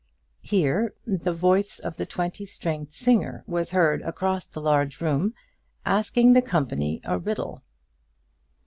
Here the voice of the twenty stringed singer was heard across the large room asking the company a riddle.